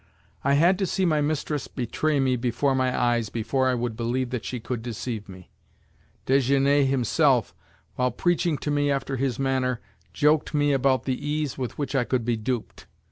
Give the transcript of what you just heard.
I had to see my mistress betray me before my eyes before I would believe that she could deceive me. Desgenais himself, while preaching to me after his manner, joked me about the ease with which I could be duped.